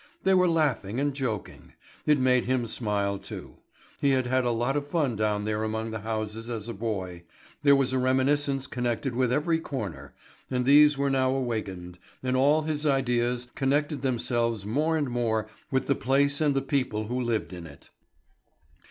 They were laughing and joking. It made him smile too. He had had a lot of fun down there among the houses as a boy; there was a reminiscence connected with every corner, and these were now awakened, and all his ideas connected themselves more and more with the place and the people who lived in it.